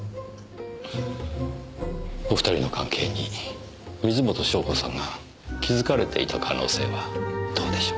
お二人の関係に水元湘子さんが気づかれていた可能性はどうでしょう？